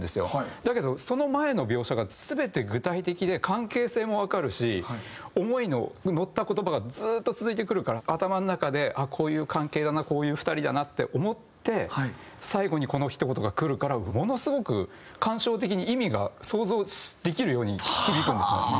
だけどその前の描写が全て具体的で関係性もわかるし思いののった言葉がずっと続いてくるから頭の中でこういう関係だなこういう２人だなって思って最後にこの一言がくるからものすごく感傷的に意味が想像できるように響くんですね。